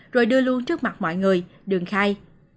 rồi đưa luôn trước mặt mọi người đường khai